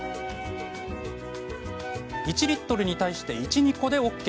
１リットルに対して１、２個でＯＫ。